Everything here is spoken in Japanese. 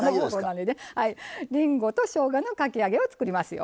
りんごとしょうがのかき揚げを作りますよ。